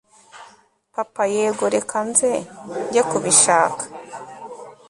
papa yego reka nze njye kubishaka